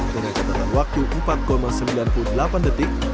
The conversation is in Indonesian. dengan catatan waktu empat sembilan puluh delapan detik